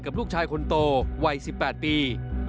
กับลูกชายคนโตวัยสิบแปดปี